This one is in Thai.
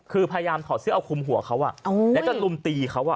คือพยายามถอดเสื้อเอาคุมหัวเขาแล้วก็ลุมตีเขา